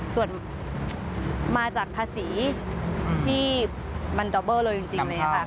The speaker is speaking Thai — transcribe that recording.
ส่วนมาจากภาษีที่มันดอบเบอร์เลยจริงเลยค่ะ